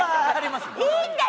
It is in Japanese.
いいんだよそこ！